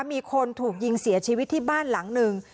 มีคนถูกยิงเสียชีวิตที่บ้านหลังหนึ่ง